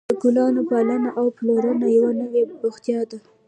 د ګلانو پالنه او پلورل یوه نوې بوختیا ده.